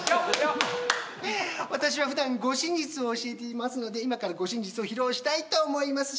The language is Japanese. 私は普段、護身術を教えていますので護身術を披露したいと思います